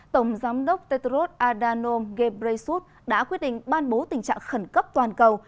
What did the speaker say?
tổng giám đốc tetrod adhanom ghebreyesus đã quyết định ban bố tình trạng khẩn cấp toàn cầu